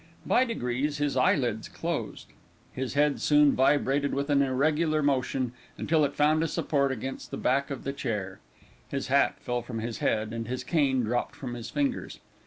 By degrees his eyelids closed. His head soon vibrated with an irregular motion, until it found a support against the back of the chair. His hat fell from his head, and his cane dropped from his fingers.